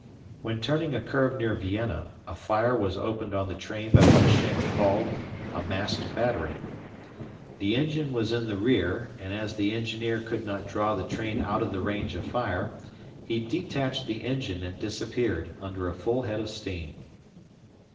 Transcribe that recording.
When turning a curve near Vienna, a fire was opened on the train by what Schenck called a "masked battery." The engine was in the rear, and as the engineer could not draw the train out of the range of fire, he detached the engine and disappeared under a full head of steam.